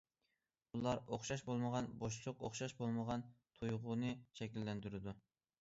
بۇلار ئوخشاش بولمىغان بوشلۇق، ئوخشاش بولمىغان تۇيغۇنى شەكىللەندۈرىدۇ.